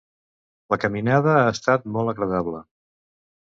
La caminada ha estat molt agradable.